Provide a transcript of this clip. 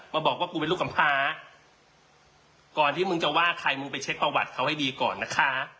มาบอกว่ากูเป็นลูกกำพาก่อนที่มึงจะว่าใครมึงไปเช็คประวัติเขาให้ดีก่อนนะคะ